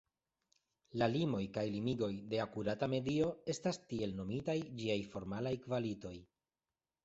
La limoj kaj limigoj de akurata medio estas tiel nomitaj ĝiaj formalaj kvalitoj.